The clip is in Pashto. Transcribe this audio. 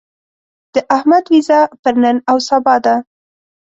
د احمد وېزه پر نن او سبا ده.